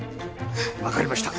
分かりました。